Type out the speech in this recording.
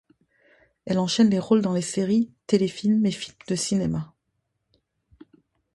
Elle enchaine les rôles dans les séries, téléfilms et films de cinéma.